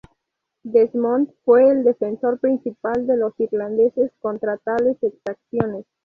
Desmond fue el defensor principal de los irlandeses contra tales exacciones.